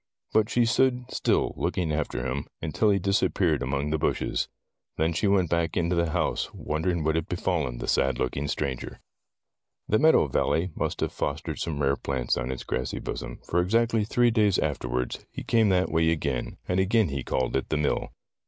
But she stood still, looking after him, until he disappeared among the bushes. Then she went back into the house, wondering what had befallen the sad looking stranger. Tales of Modern Germany 15 The meadow valley must have fostered some rare plants on its grassy bosom, for exactly three days afterwards he came that way again, and again he called at the mill.